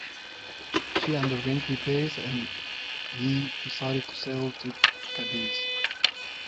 She underwent repairs there and he decided to sail to Cadiz.